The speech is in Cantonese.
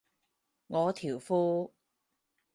我條褲